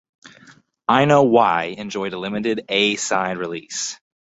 "I Know Why" enjoyed a limited "A"-side release.